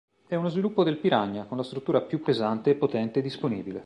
È uno sviluppo del Piranha con la struttura più pesante e potente disponibile.